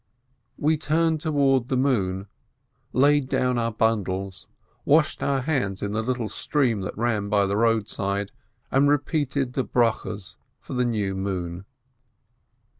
We turned towards the moon, laid down our bundles, washed our hands in a little stream that ran by the roadside, and repeated the blessings for the new moon.